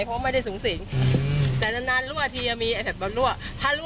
เพราะว่าไม่ได้สูงสิงแต่ดังนั้นรั่วทียังมีแอปแพ็ดบ้านรั่ว